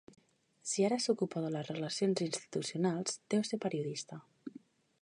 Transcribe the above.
Si ara s'ocupa de les relacions institucionals deu ser periodista.